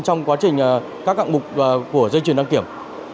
trong quá trình các cặng bục của dây chuyển đăng kiểm